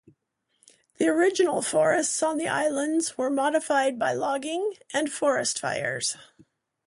The original forests on the islands were modified by logging and forest fires.